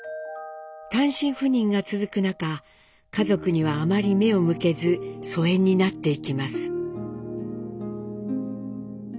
単身赴任が続く中家族にはあまり目を向けず疎遠になっていきます。